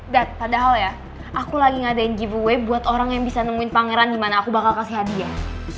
that padahal ya aku lagi ngadain giveaway buat orang yang bisa nemuin pangeran gimana aku bakal kasih hadiah